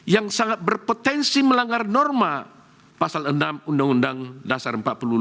yang sangat berpotensi melanggar norma pasal enam undang undang dasar empat puluh lima